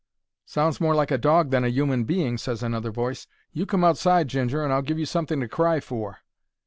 "Sounds more like a dog than a 'uman being," ses another voice. "You come outside, Ginger, and I'll give you something to cry for."